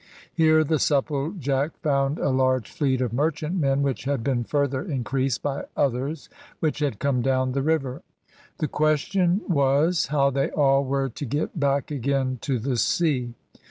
Here the Supplejack found a large fleet of merchantmen, which had been further increased by others which had come down the river. The question was how they all were to get back again to the sea.